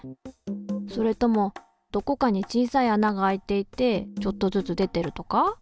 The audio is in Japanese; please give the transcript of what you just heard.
それともどこかに小さいあながあいていてちょっとずつ出てるとか？